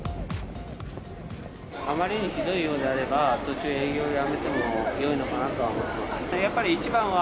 あまりにひどいようであれば、途中で営業やめてもよいのかなと思っています。